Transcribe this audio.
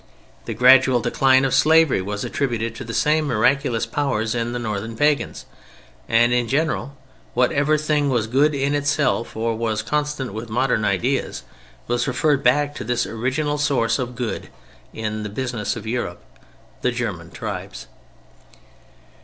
The gradual decline of slavery was attributed to the same miraculous powers in the northern pagans; and in general whatever thing was good in itself or was consonant with modern ideas, was referred back to this original source of good in the business of Europe: the German tribes.